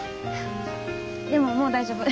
でももう大丈夫。